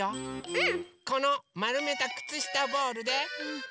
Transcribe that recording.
うん。